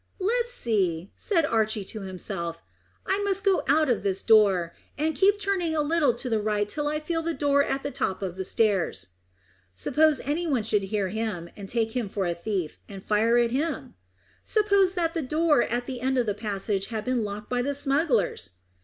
"Let's see," said Archy to himself. "I must go out of this door, and keep turning a little to the right till I feel the door at the top of the stairs." Suppose any one should hear him, take him for a thief, and fire at him? Suppose that door at the end of the passage had been locked by the smugglers?